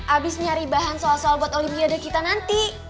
abis nyari bahan soal soal buat olimpiade kita nanti